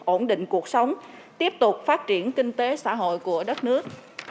ổn định cuộc sống tiếp tục phát triển kinh tế xã hội của đất nước